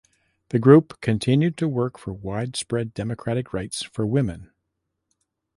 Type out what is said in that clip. The group continued to work for widespread democratic rights for women.